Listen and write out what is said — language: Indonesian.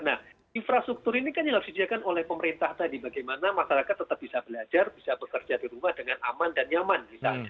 nah infrastruktur ini kan yang harus disediakan oleh pemerintah tadi bagaimana masyarakat tetap bisa belajar bisa bekerja di rumah dengan aman dan nyaman